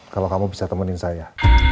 kalau kamu bisa temenin saya